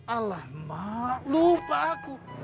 alamak lupa aku